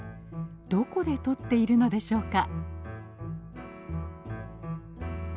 どこで採っているのでしょうか。